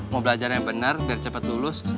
mau belajar yang benar biar cepat lulus